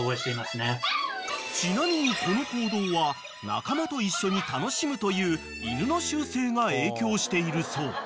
［ちなみにこの行動は仲間と一緒に楽しむという犬の習性が影響しているそう］